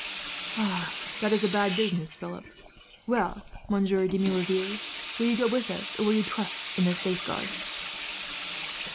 "That is a bad business, Philip. "Well, Monsieur de Merouville, will you go with us, or will you trust in this safeguard?"